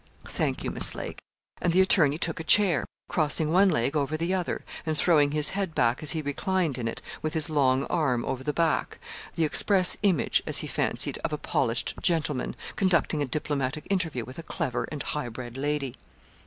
'Thank you, Miss Lake.' And the attorney took a chair, crossing one leg over the other, and throwing his head back as he reclined in it with his long arm over the back the 'express image,' as he fancied, of a polished gentleman, conducting a diplomatic interview with a clever and high bred lady.